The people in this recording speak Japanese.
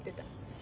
そ。